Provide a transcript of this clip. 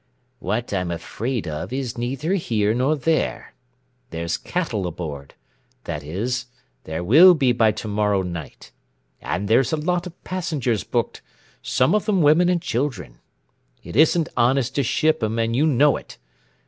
"What I'm afraid of is neither here nor there. There's cattle aboard that is, there will be by to morrow night; and there's a lot of passengers booked, some of 'em women and children. It isn't honest to ship 'em and you know it!